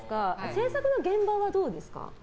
制作の現場はどうですか？